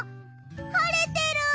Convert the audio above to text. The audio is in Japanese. はれてる！